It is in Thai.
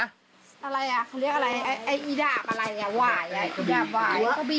อะไรอ่ะเขาเรียกอะไรไอ้อีดาบอะไรอ่ะไหว่ไอ้อีดาบไหว่